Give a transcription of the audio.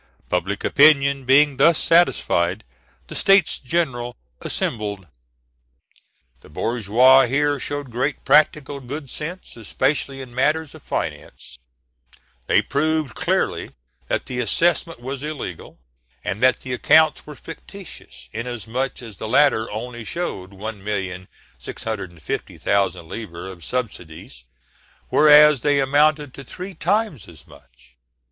Public opinion being thus satisfied, the States General assembled. The bourgeois here showed great practical good sense, especially in matters of finance; they proved clearly that the assessment was illegal, and that the accounts were fictitious, inasmuch as the latter only showed 1,650,000 livres of subsidies, whereas they amounted to three times as much.